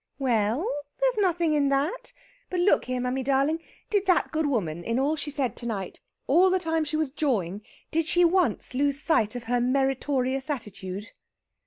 "We e ell! there's nothing in that.... But look here, mammy darling. Did that good woman in all she said to night all the time she was jawing did she once lose sight of her meritorious attitude?"